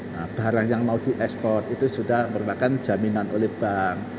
nah barang yang mau diekspor itu sudah merupakan jaminan oleh bank